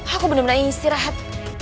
aku benar benar ingin istirahat